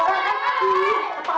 aduh mati kelamaan